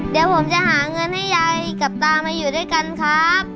เดี๋ยวผมจะหาเงินให้ยายกับตามาอยู่ด้วยกันครับ